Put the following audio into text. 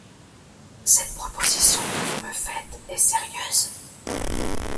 Cette proposition, que vous me faites, est sérieuse ?